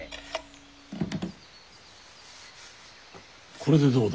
これでどうだ？